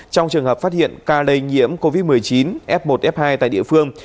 trong trường hợp phát hiện ca lây nhiễm covid một mươi chín f một f hai tại địa phương